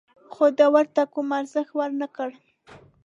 خو ده ورته کوم ارزښت ور نه کړ.